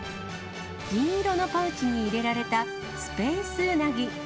銀色のパウチに入れられたスペースうなぎ。